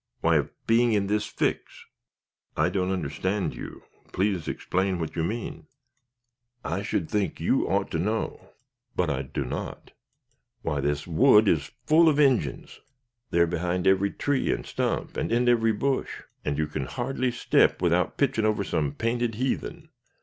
"Why, of being in this fix." "I don't understand you. Please explain what you mean." "I should think you ought to know." "But I do not." "Why, this wood is full of Injins; they're behind every tree and stump, and in every bush, and you can hardly step without pitching over some painted heathen."